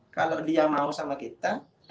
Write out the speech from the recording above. kalau dia mau sama kita